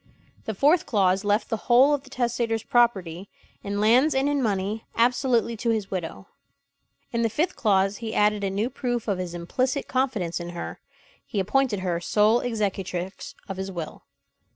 The fourth clause left the whole of the testator's property, in lands and in money, absolutely to his widow. In the fifth clause he added a new proof of his implicit confidence in her he appointed her sole executrix of his will.